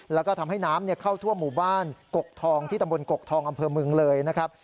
แล้วก็ทำให้น้ำเข้าทั่วหมู่บ้านกกทองที่ตำบลกกทองอำเภอเมืองเลยนะครับ